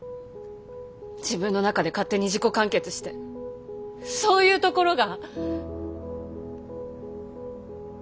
自分の中で勝手に自己完結してそういうところが。